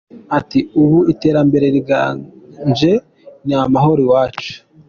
Ati “Ubu iterambere riraganje ni amahoro iwacu.